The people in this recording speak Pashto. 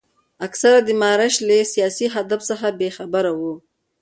اکثره یې د مارش له سیاسي هدف څخه بې خبره وو.